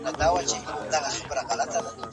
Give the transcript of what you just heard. قلم له تورې څخه پياوړی دی.